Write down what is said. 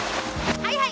はいはい。